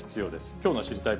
きょうの知りたいッ！